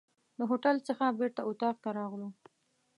د هوټل څخه بیرته اطاق ته راغلو.